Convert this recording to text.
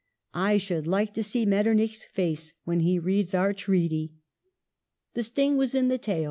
... I should like to see Mettemich's face when he reads our treaty." The sting was in the tail.